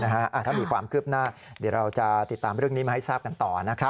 ถ้ามีความคืบหน้าเดี๋ยวเราจะติดตามเรื่องนี้มาให้ทราบกันต่อนะครับ